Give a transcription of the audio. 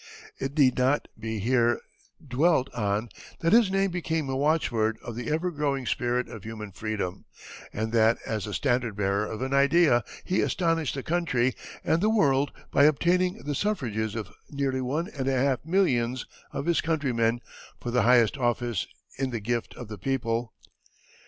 It need not be here dwelt on that his name became a watchword of the ever growing spirit of human freedom, and that as the standard bearer of an idea he astonished the country and the world by obtaining the suffrages of nearly one and a half millions of his countrymen for the highest office in the gift of the people.